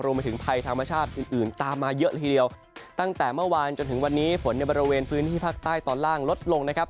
เมื่อวานจนถึงวันนี้ฝนในบริเวณพื้นที่ภาคใต้ตอนล่างลดลงนะครับ